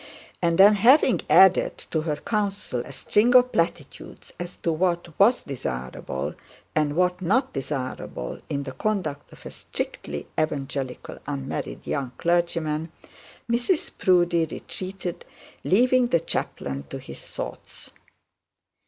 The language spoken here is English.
And then having added to her counsel a string of platitudes as to what was desirable and what not desirable in the conduct of a strictly evangelical, unmarried young clergyman, Mrs Proudie retreated, leaving the chaplain to his thoughts.